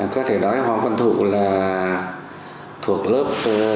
có thể nói hoàng văn thụ là thuộc lớp